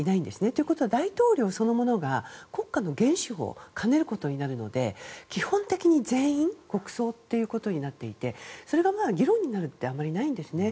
ということは大統領そのものが国家元首を兼ねることになるので基本的に全員、国葬となっていてそれが議論になるってあまりないんですね。